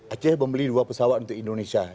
aceh membeli dua pesawat untuk indonesia